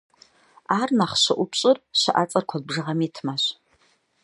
Ар нэхъ щыӏупщӏыр щыӏэцӏэр куэд бжыгъэм итмэщ.